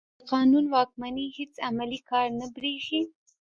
د قانون واکمني هېڅ عملي کار نه برېښي.